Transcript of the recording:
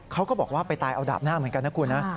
เขาก็บอกว่าไปตายเอาดาบหน้าเหมือนกันนะคุณนะ